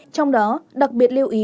trong đó đặc biệt lưu ý